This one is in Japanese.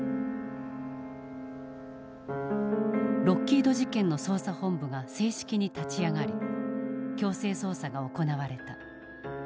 ロッキード事件の捜査本部が正式に立ち上がり強制捜査が行われた。